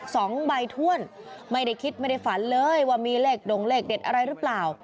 สองใบถ้วนไม่ได้คิดไม่ได้ฝันเลยว่ามีเลขดงเลขเด็ดอะไรหรือเปล่า